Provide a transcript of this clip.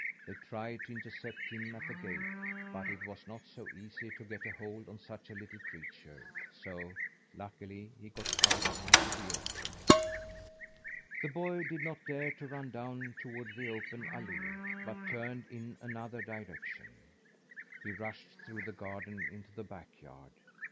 They tried to intercept him at the gate, but it was not so easy to get a hold on such a little creature, so, luckily, he got out in the open. The boy did not dare to run down toward the open allée, but turned in another direction. He rushed through the garden into the back yard.